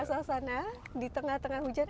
suasana di tengah tengah hujan